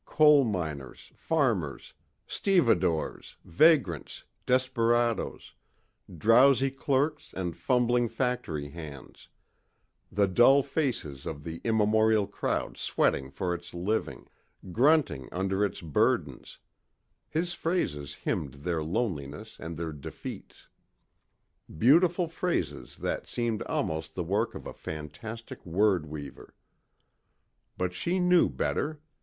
Coal miners, farmers, stevedores, vagrants, desperadoes, drowsy clerks and fumbling factory hands the dull faces of the immemorial crowd sweating for its living, grunting under its burdens his phrases hymned their loneliness and their defeats. Beautiful phrases that seemed almost the work of a fantastic word weaver. But she knew better.